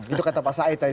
itu kata pak said tadi